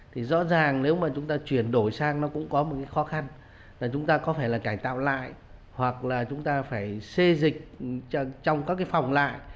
thì rõ ràng nếu mà chúng ta chuyển đổi sang nó cũng có một cái khó khăn là chúng ta có phải là cải tạo lại hoặc là chúng ta phải xê dịch trong các cái phòng lại